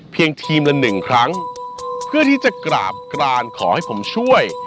เพียงทีมละ๑ครั้งเพื่อที่จะกราบกรานขอให้ผมช่วย